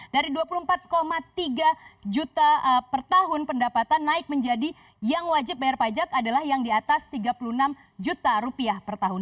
dari dua puluh empat tiga juta per tahun pendapatan naik menjadi yang wajib bayar pajak adalah yang di atas tiga puluh enam juta rupiah per tahun